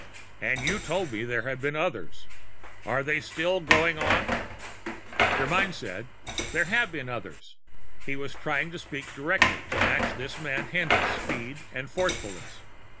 "And you told me there had been others. Are they still going on?" Germyn said: "There have been others." He was trying to speak directly, to match this man Haendl's speed and forcefulness.